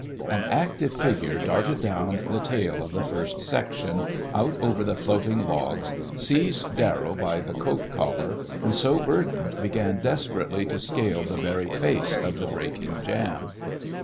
An active figure darted down the tail of the first section, out over the floating logs, seized Darrell by the coat collar, and so burdened began desperately to scale the very face of the breaking jam.